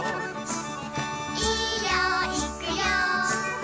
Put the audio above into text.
「いいよいくよ！」